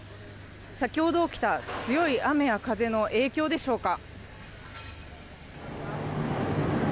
先ほど起きた強い雨や風の影響でしょうか。